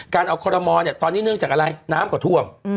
การเอาคอรมอลเนี่ยตอนนี้เนื่องจากอะไรน้ำก็ท่วม